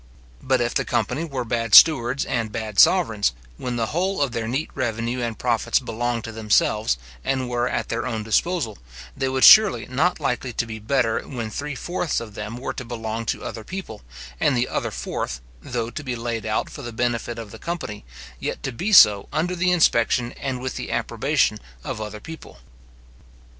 But if the company were bad stewards and bad sovereigns, when the whole of their neat revenue and profits belonged to themselves, and were at their own disposal, they were surely not likely to be better when three fourths of them were to belong to other people, and the other fourth, though to be laid out for the benefit of the company, yet to be so under the inspection and with the approbation of other people.